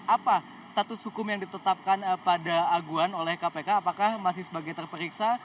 apa status hukum yang ditetapkan pada aguan oleh kpk apakah masih sebagai terperiksa